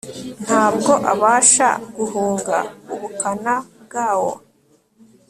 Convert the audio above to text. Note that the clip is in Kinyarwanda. nta bwo abasha guhunga ubukana bwawo